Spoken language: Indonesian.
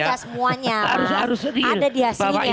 ya semuanya harus di ada di hasilnya